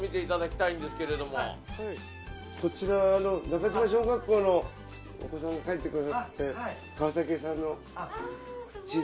・こちらあの「中島小学校」のお子さんが描いてくださって「河屋」さんの地図。